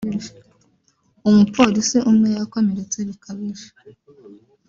umupolisi umwe yakomeretse bikabije